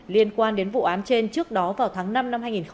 liên quan đến vụ án trên trước đó vào tháng năm năm hai nghìn hai mươi ba